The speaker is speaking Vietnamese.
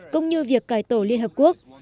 cũng như việc cải tổ liên hợp quốc